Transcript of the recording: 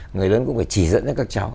người lớn cũng phải chỉ dẫn cho các cháu